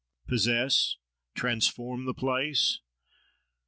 —possess, transform, the place?